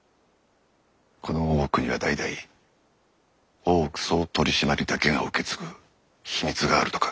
この大奥には代々大奥総取締だけが受け継ぐ秘密があるとか。